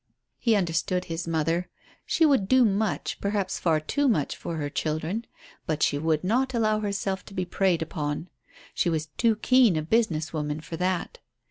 He understood his mother. She would do much, perhaps far too much for her children, but she would not allow herself to be preyed upon; she was too keen a business woman for that.